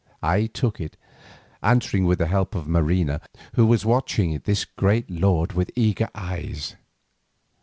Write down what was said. I took it, answering with the help of Marina, who was watching this great lord with eager eyes.